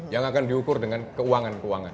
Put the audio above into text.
yang akan diukur dengan keuangan keuangan